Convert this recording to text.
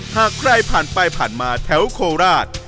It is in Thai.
หากใครผ่านไปผ่านมาแถวโคราช